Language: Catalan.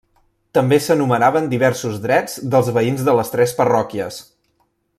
També s'enumeraven diversos drets dels veïns de les tres parròquies.